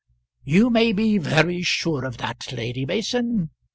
"You may be very sure of that, Lady Mason.